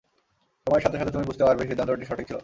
সময়ের সাথে সাথে তুমি বুঝতে পারবে সিদ্ধান্তটি সঠিক ছিল।